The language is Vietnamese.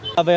về hợp tác